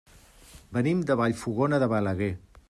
Venim de Vallfogona de Balaguer.